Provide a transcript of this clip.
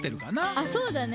あっそうだね。